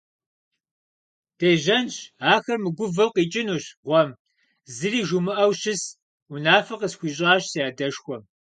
Дежьэнщ, ахэр мыгувэу къикӀынущ гъуэм, зыри жумыӀэу щыс, - унафэ къысхуищӀащ си адэшхуэм.